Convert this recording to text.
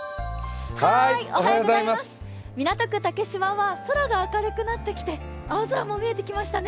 港区竹芝は空が明るくなってきて青空も見えてきましたね。